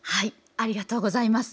ありがとうございます。